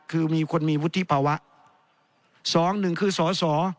คือมีคนมีวุฒิภาวะสองหนึ่งคือสอสอ